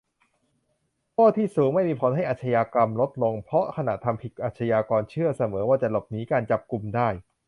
"โทษที่สูงไม่มีผลให้อาชญากรรมลดลง เพราะขณะทำความผิดอาชญากรเชื่อเสมอว่าจะหลบหนีการจับกุมได้"